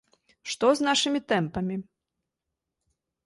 Што з нашымі тэмпамі?